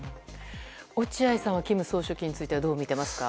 落合さんは金総書記についてどうみていますか？